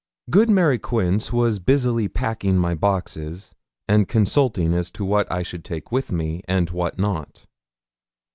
Good Mary Quince was busily packing my boxes, and consulting as to what I should take with me, and what not.